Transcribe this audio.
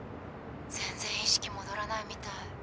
全然意識戻らないみたい。